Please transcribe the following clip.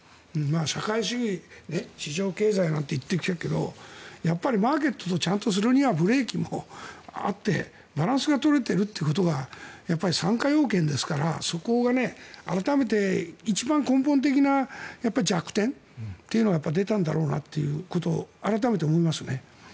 社会主義市場経済なんて言ってるけどやっぱりマーケットをちゃんとするにはブレーキもあってバランスが取れているということが参加要件ですからそこが改めて一番根本的な弱点というのが出たんだろうなということを改めて思いますね。